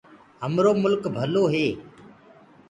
همرو ملڪ ڀلو هي۔